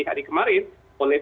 jadi saya pikir ini adalah